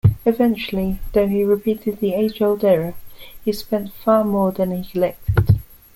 Eventually though he repeated the age-old error, he spent far more than he collected.